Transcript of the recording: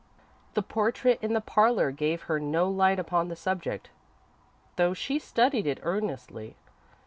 The portrait in the parlour gave her no light upon the subject, though she studied it earnestly.